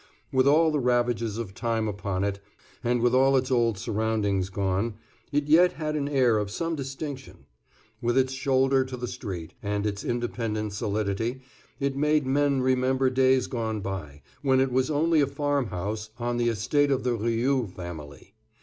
With all the ravages of time upon it, and with all its old surroundings gone, it yet had an air of some distinction. With its shoulder to the street, and its independent solidity, it made men remember days gone by, when it was only a farm house on the Estate of the Rioux family.